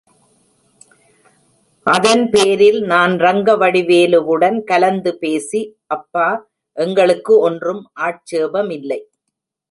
அதன் பேரில் நான் ரங்கவடிவேலுவுடன் கலந்து பேசி, அப்பா, எங்களுக்கு ஒன்றும் ஆட்சேபமில்லை.